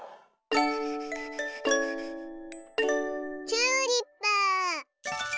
チューリップ。